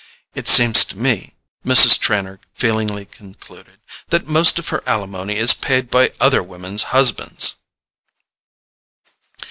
It seems to me," Mrs. Trenor feelingly concluded, "that most of her alimony is paid by other women's husbands!"